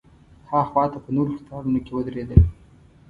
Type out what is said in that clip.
ها خوا ته په نورو قطارونو کې ودرېدل.